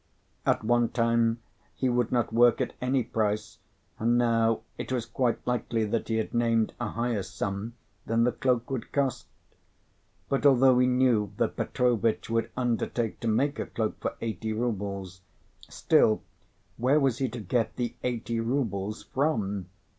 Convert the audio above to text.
At one time he would not work at any price, and now it was quite likely that he had named a higher sum than the cloak would cost. But although he knew that Petrovitch would undertake to make a cloak for eighty rubles, still, where was he to get the eighty rubles from?